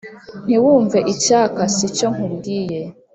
ntiwumve icyaka si cyo nkubwiye.